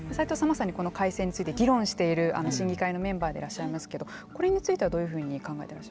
まさにこの改正について議論している審議会のメンバーでいらっしゃいますけどこれについてはどういうふうに考えてらっしゃいますか。